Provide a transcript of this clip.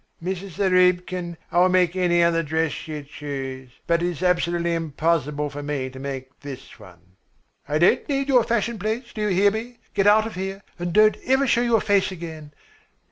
"Mrs. Zarubkin, I will make any other dress you choose, but it is absolutely impossible for me to make this one." "I don't need your fashion plates, do you hear me? Get out of here, and don't ever show your face again."